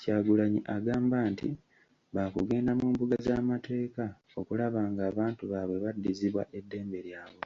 Kyagulanyi agamba nti baakugenda mu mbuga z’amateeka okulaba ng’abantu baabwe baddizibwa eddembe lyabwe.